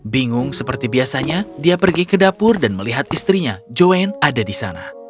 bingung seperti biasanya dia pergi ke dapur dan melihat istrinya joan ada di sana